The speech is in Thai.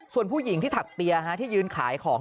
ส่วนผู้หญิงที่ถักเปียร์ที่ยืนขายของ